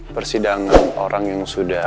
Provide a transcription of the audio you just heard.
persidangan orang yang sudah